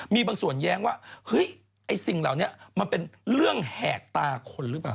มีบางส่วนแย้งไอ้สิ่งเหล่านี้มันเป็นเรื่องแหกตาของคนรึเปล่า